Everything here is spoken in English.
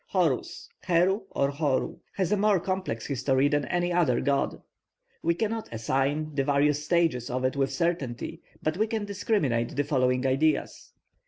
+Horus+ (Heru or Horu) has a more complex history than any other god. We cannot assign the various stages of it with certainty, but we can discriminate the following ideas.